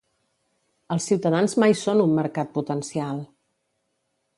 Els ciutadans mai són un mercat potencial!